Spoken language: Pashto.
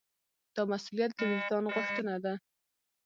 دا مسوولیت د وجدان غوښتنه ده.